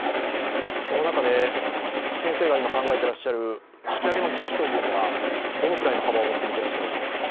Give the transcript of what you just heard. その中で、先生が今、考えてらっしゃる引き揚げの時期というのはどのくらいの幅をもって見てらっしゃいますか？